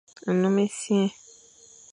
Nnom essiang.